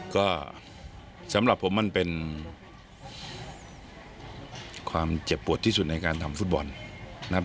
ก็สำหรับผมมันเป็นความเจ็บปวดที่สุดในการทำฟุตบอลนะครับ